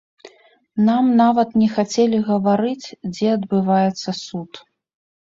Нам нават не хацелі гаварыць, дзе адбываецца суд.